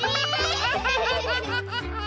アハハハハ！